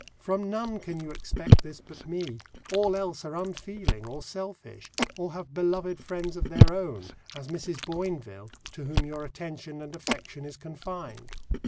From none can you expect this but me all else are unfeeling, or selfish, or have beloved friends of their own, as Mrs. B[oinville], to whom their attention and affection is confined.